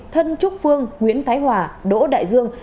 thân trúc phương nguyễn thái hòa đỗ đại dương